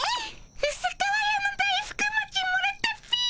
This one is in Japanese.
うす皮屋の大福もちもらったっピィ！